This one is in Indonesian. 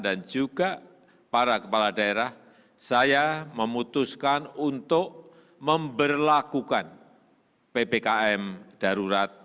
dan juga para kepala daerah saya memutuskan untuk memberlakukan ppkm darurat